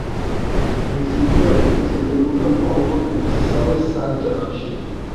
მისი უფლებები ვრცელდებოდა მხოლოდ მისსავე სანჯაყში.